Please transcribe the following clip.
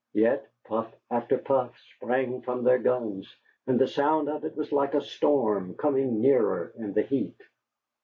Yet puff after puff sprang from their guns, and the sound of it was like a storm coming nearer in the heat.